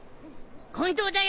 本当だよ。